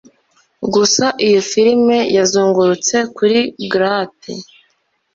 Gusa iyo firime yazungurutse kuri grate